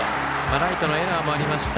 ライトのエラーもありました。